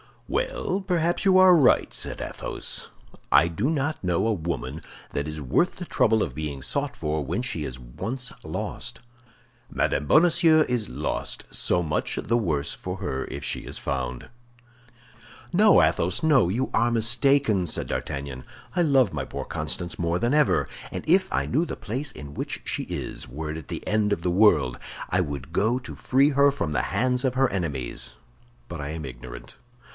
"Well, perhaps you are right," said Athos. "I do not know a woman that is worth the trouble of being sought for when she is once lost. Madame Bonacieux is lost; so much the worse for her if she is found." "No, Athos, no, you are mistaken," said D'Artagnan; "I love my poor Constance more than ever, and if I knew the place in which she is, were it at the end of the world, I would go to free her from the hands of her enemies; but I am ignorant.